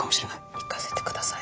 行かせて下さい。